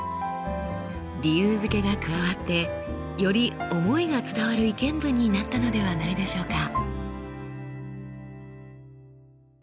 理由づけが加わってより思いが伝わる意見文になったのではないでしょうか。